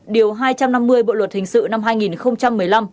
điều hai trăm năm mươi bộ luật hình sự năm hai nghìn một mươi năm